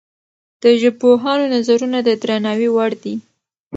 د ژبپوهانو نظرونه د درناوي وړ دي.